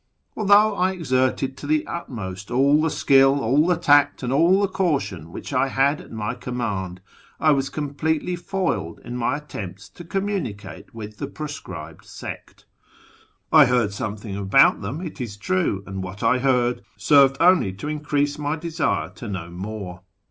Althoiiuh 1 exerted In tlic ulmusl all the skill, all the tact, and ;dl the caution Nvliich I had at my com mand, I was completely ibiled in my attempts to communicate with the proscribed sect. I heard something about them, it is true, and what I heard served only to increase my desire to know more.